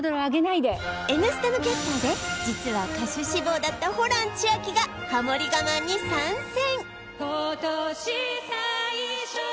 「Ｎスタ」のキャスターで実は歌手志望だったホラン千秋がハモリ我慢に参戦！